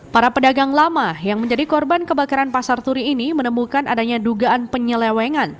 para pedagang lama yang menjadi korban kebakaran pasar turi ini menemukan adanya dugaan penyelewengan